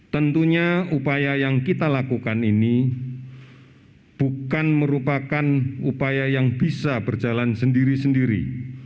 tentunya upaya yang kita lakukan ini bukan merupakan upaya yang bisa berjalan sendiri sendiri